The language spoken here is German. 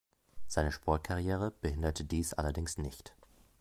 Seine Sportkarriere behinderte dies allerdings nicht.